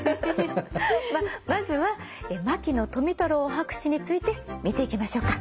まあまずは牧野富太郎博士について見ていきましょうか。